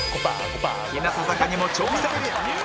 日向坂にも挑戦！